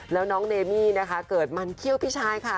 แล้วน้องเดมี่นะคะเกิดมันเขี้ยวพี่ชายค่ะ